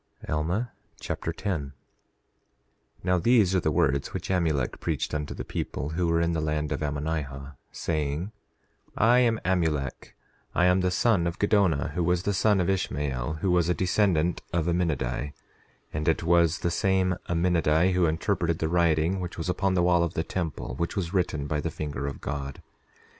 Alma Chapter 10 10:1 Now these are the words which Amulek preached unto the people who were in the land of Ammonihah, saying: 10:2 I am Amulek; I am the son of Giddonah, who was the son of Ishmael, who was a descendant of Aminadi; and it was the same Aminadi who interpreted the writing which was upon the wall of the temple, which was written by the finger of God.